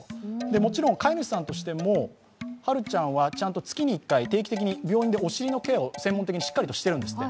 もちろん飼い主さんとしてもハルちゃんは月に１回定期的に病院でお尻のケアを専門的にしっかりしてるんですって。